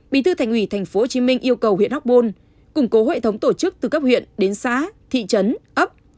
bí thư thành ủy tp hcm yêu cầu huyện hóc môn củng cố hệ thống tổ chức từ cấp huyện đến xã thị trấn ấp